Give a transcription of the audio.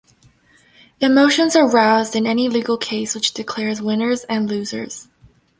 Emotions are roused in any legal case which declares winners and losers.